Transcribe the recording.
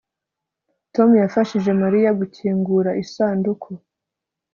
Tom yafashije Mariya gukingura isanduku